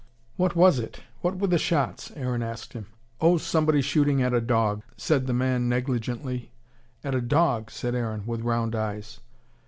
"What was it? What were the shots?" Aaron asked him. "Oh somebody shooting at a dog," said the man negligently. "At a dog!" said Aaron, with round eyes.